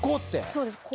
そうです。